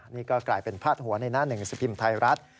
นี่ก็กลายเป็นผ้าหัวในหน้า๑สปีมไทยรัฐ